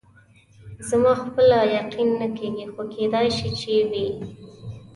زما خپله یقین نه کېږي، خو کېدای شي چې وي.